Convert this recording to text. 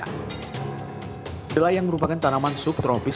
kedelai yang merupakan tanaman subtropis